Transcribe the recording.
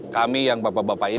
kami yang bapak bapak ini